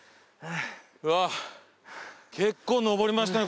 うわ結構登りましたね